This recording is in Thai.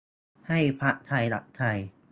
ให้พรรคไทยรักไทย